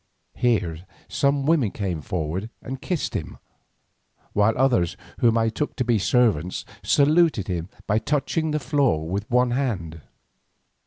Here some women came forward and kissed him, while others whom I took to be servants, saluted him by touching the floor with one hand.